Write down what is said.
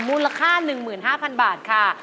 มูลค่า๑๕๐๐๐บาทค่ะ